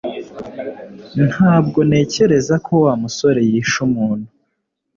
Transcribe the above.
Ntabwo ntekereza ko Wa musore yishe umuntu